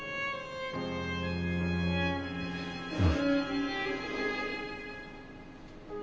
うん。